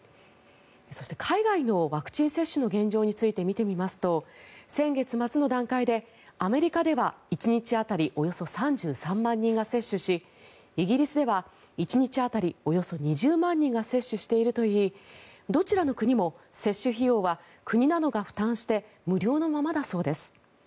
そして、海外のワクチン接種の現状について見てみますと先月末の段階でアメリカでは１日当たりおよそ３３万人が接種しイギリスでは１日当たりおよそ２０万人が接種しているといいどちらの国も接種費用は国などが負担して無料のままだそうです。